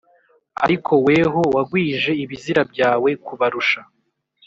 ariko weho wagwije ibizira byawe kubarusha